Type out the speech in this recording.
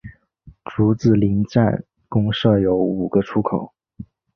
竹子林站共设有五个出口。